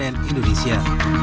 tim liputan cnn indonesia